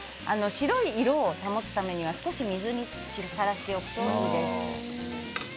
白い色を保つためには少し水にさらしておくといいです。